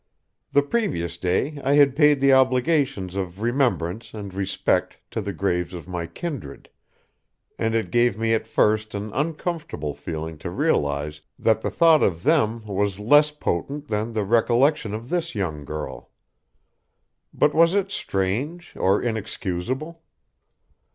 The previous day I had paid the obligations of remembrance and respect to the graves of my kindred, and it gave me at first an uncomfortable feeling to realize that the thought of them was less potent than the recollection of this young girl. But was it strange or inexcusable?